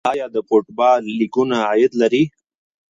آیا د فوټبال لیګونه عاید لري؟